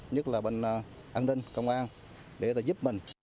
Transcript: nhất là bên an ninh công an để giúp mình